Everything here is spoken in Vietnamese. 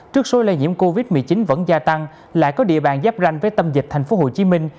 trước số lây nhiễm covid một mươi chín vẫn gia tăng lại có địa bàn giáp ranh với tâm dịch thành phố hồ chí minh